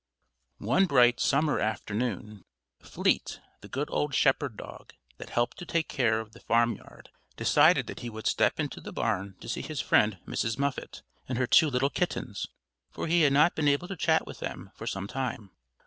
One bright summer afternoon, Fleet, the good old shepherd dog that helped to take care of the farmyard, decided that he would step into the barn to see his friend Mrs. Muffet and her two little kittens, for he had not been able to chat with them for some time.